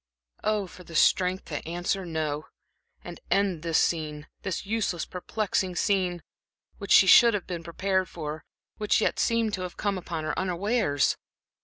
Oh, for the strength to answer "No," and end this scene this useless, perplexing scene, which she should have been prepared for, which yet seemed to have come upon her unawares!